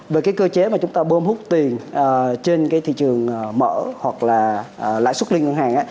về cái cơ chế mà chúng ta bơm hút tiền trên cái thị trường mở hoặc là lãi suất liên ngân hàng